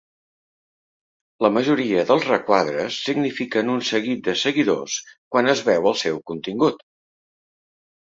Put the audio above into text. La majoria dels requadres signifiquen un seguit de seguidors quan es veu el seu contingut.